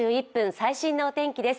最新のお天気です。